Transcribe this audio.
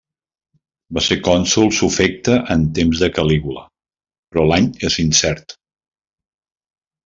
Va ser cònsol sufecte en temps de Calígula, però l’any és incert.